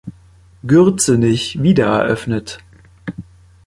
Gürzenich“ wiedereröffnet.